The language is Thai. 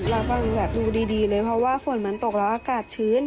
รับฟังแบบดูดีเลยเพราะว่าฝนมันตกแล้วอากาศชื้น